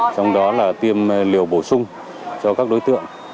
trong đó là tiêm liều bổ sung cho các đối tượng